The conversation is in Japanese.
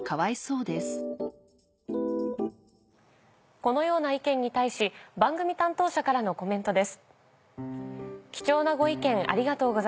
このような意見に対し番組担当者からのコメントです。